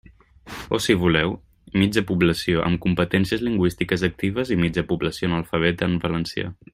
O si voleu: mitja població amb competències lingüístiques actives i mitja població analfabeta en valencià.